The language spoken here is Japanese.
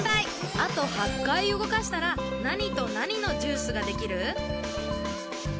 あと８かいうごかしたらなにとなにのジュースができる？